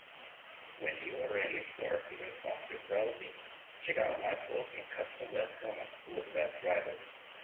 When you are ready for even faster browsing, check out my post on Custom web commands with WebDriver.